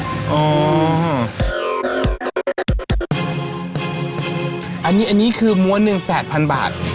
อันนี้คือม้วนหนึ่ง๘๐๐๐บาท